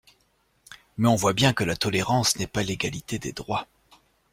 Mais on voit bien que la tolérance n'est pas l'égalité des droits.